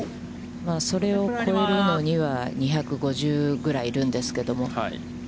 それを超えるのには、２５０ぐらいいるんですけれども。